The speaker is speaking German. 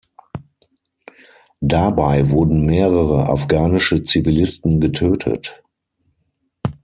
Dabei wurden mehrere afghanische Zivilisten getötet.